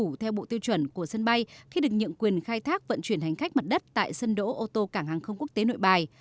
và các hãng taxi phải tuân thủ theo bộ tiêu chuẩn của sân bay khi được nhượng quyền khai thác vận chuyển hành khách mặt đất tại sân đỗ ô tô cảng hàng không quốc tế nội bài